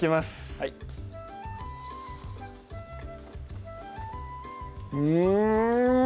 はいうん！